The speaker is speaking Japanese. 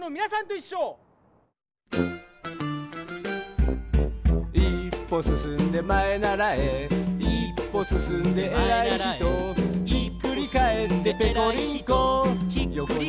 「いっぽすすんでまえならえ」「いっぽすすんでえらいひと」「ひっくりかえってぺこり